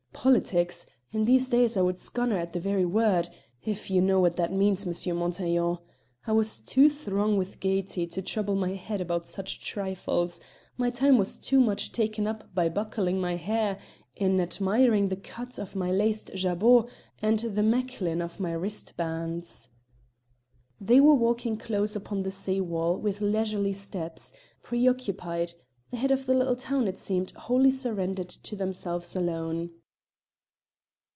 Politics! In these days I would scunner at the very word, if you know what that means, M. Montaiglon. I was too throng with gaiety to trouble my head about such trifles; my time was too much taken up with buckling my hair, in admiring the cut of my laced jabot, and the Mechlin of my wrist bands." They were walking close upon the sea wall with leisurely steps, preoccupied, the head of the little town, it seemed, wholly surrendered to themselves alone.